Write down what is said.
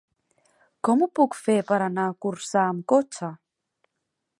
Com ho puc fer per anar a Corçà amb cotxe?